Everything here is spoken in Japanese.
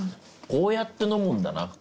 こうやって飲むんだな。